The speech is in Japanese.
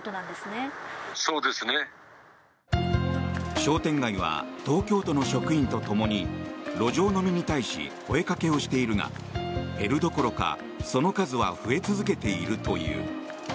商店街は東京都の職員とともに路上飲みに対し声掛けをしているが減るどころかその数は増え続けているという。